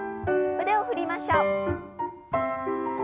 腕を振りましょう。